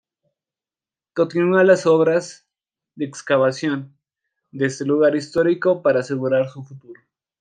Continúan las obras de excavación de este lugar histórico para asegurar su futuro.